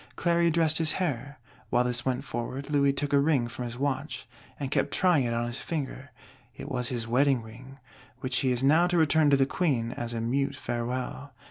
Cléry dressed his hair: while this went forward, Louis took a ring from his watch, and kept trying it on his finger; it was his wedding ring, which he is now to return to the Queen as a mute farewell.